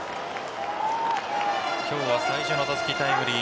今日は最初の打席タイムリー